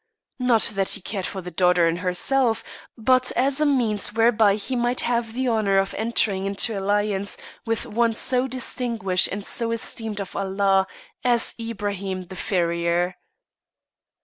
Not that he cared for the daughter in herself, but as a means whereby he might have the honour of entering into alliance with one so distinguished and so esteemed of Allah as Ibraim the Farrier.